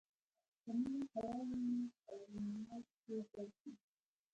که نه حلالوو يې فارموله تې باسو.